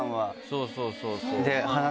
そうそうそうそう。